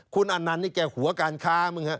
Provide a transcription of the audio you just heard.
คุณอนันต์นี่แกหัวการค้ามึงฮะ